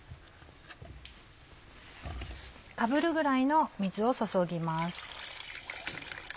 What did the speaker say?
かぶるぐらいの水を注ぎます。